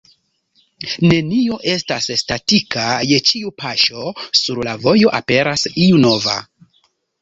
Nenio estas statika, je ĉiu paŝo sur la vojo aperas iu nova.